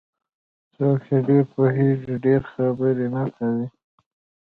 څوک چې ډېر پوهېږي ډېرې خبرې نه کوي.